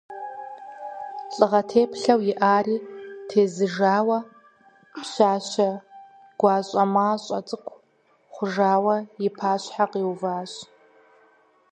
Лӏыгъэ теплъэу иӏари тезыжауэ пщащэ гуащӏэмащӏэ цӏыкӏу хъужауэ и пащхьэ къиуващ.